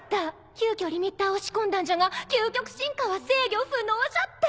急きょリミッターを仕込んだんじゃが究極進化は制御不能じゃった。